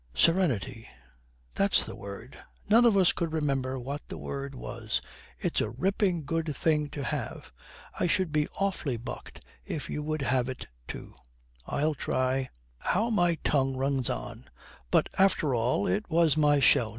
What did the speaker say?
'Serenity, that's the word! None of us could remember what the word was. It's a ripping good thing to have. I should be awfully bucked if you would have it, too.' 'I'll try.' 'I say, how my tongue runs on! But, after all, it was my show.